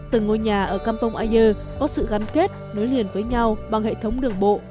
từng ngôi nhà ở campong ayu có sự gắn kết nối liền với nhau bằng hệ thống đường bộ